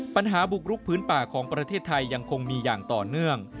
ปัญหาบุกรุกพื้นป่าของประเทศไทยยังคงมีอย่างต่อเนื่อง